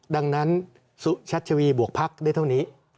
ดังนั้นสุชัชวีบวกพักได้เท่านี้